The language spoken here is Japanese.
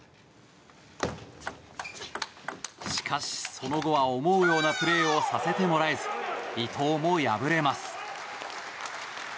しかし、その後は思うようなプレーをさせてもらえず伊藤も敗れます。